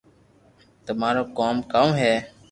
تمارو ڪوم ڪاؤ ھي